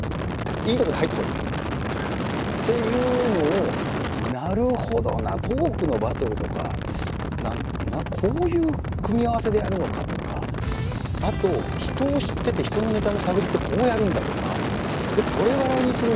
いいとこで入ってこいみたいな。っていうのをなるほどなトークのバトルとかこういう組み合わせでやるのかとかあと人を知ってて人のネタの探りってこうやるんだとかこれ笑いにするんだとか。